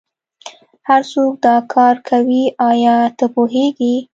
هرڅوک دا کار کوي ایا ته پوهیږې